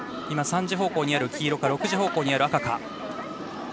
今３時方向にある黄色か６時方向にある赤か。